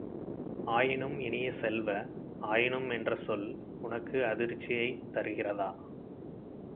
ஆயினும் இனிய செல்வ, ஆயினும் என்ற சொல் உனக்கு அதிர்ச்சியைத் தருகிறதா?